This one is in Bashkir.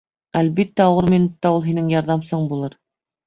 — Әлбиттә, ауыр минутта ул һинең ярҙамсың булыр.